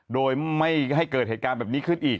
โดยไม่ให้เกิดเหตุการณ์แบบนี้ขึ้นอีก